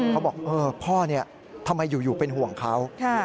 เขาบอกพ่อทำไมอยู่เป็นห่วงเขา